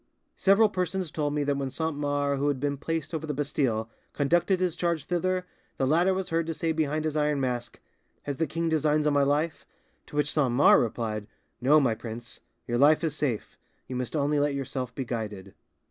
Several persons told me that when Saint Mars, who had been placed over the Bastille, conducted his charge thither, the latter was heard to say behind his iron mask, 'Has the king designs on my life?' To which Saint Mars replied, 'No, my prince; your life is safe: you must only let yourself be guided.